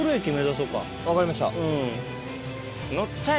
分かりました。